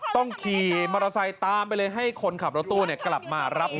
ต้องขี่มอเตอร์ไซค์ตามไปเลยให้คนขับรถตู้กลับมารับ